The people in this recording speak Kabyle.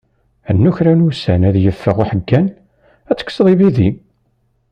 Rnu kra n wussan ad yeffeɣ uḥeggan, ad tekkseḍ ibidi.